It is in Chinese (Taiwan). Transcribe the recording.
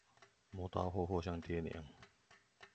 磨刀霍霍向爹娘